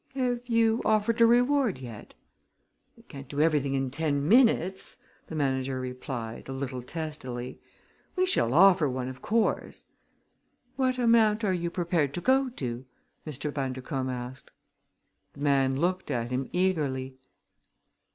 "Have you offered a reward yet?" "We can't do everything in ten minutes!" the manager replied, a little testily. "We shall offer one, of course." "What amount are you prepared to go to?" Mr. Bundercombe asked. The man looked at him eagerly.